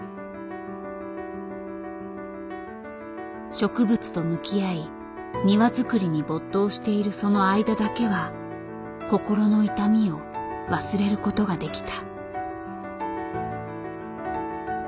植物と向き合い庭づくりに没頭しているその間だけは心の痛みを忘れることができた。